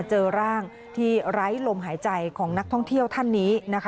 เจอร่างที่ไร้ลมหายใจของนักท่องเที่ยวท่านนี้นะคะ